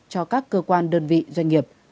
cho các cơ quan đơn vị doanh nghiệp